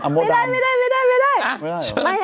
ไม่ได้ไม่ได้ไม่ได้